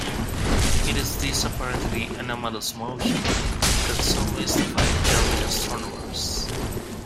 It is this apparently anomalous motion that so mystified early astronomers.